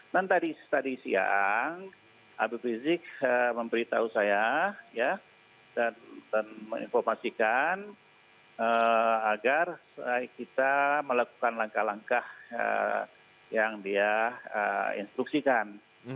dan tadi siang biprisik memberitahu saya dan menginformasikan agar kita melakukan langkah langkah yang dia instruksikan